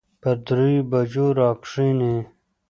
پر دريو بجو راکښېني.